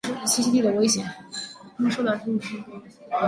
它们受到失去栖息地的威胁。